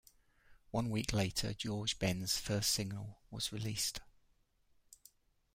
One week later, Jorge Ben's first single was released.